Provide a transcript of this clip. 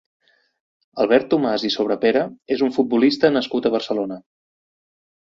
Albert Tomàs i Sobrepera és un futbolista nascut a Barcelona.